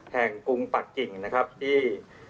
กรุงปักกิ่งนะครับที่